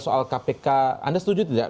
soal kpk anda setuju tidak